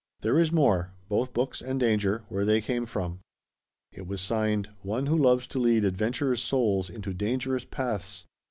There is more both books and danger where they came from." It was signed: "One who loves to lead adventurous souls into dangerous paths."